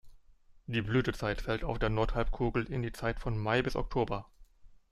Die Blütezeit fällt auf der Nordhalbkugel in die Zeit von Mai bis Oktober.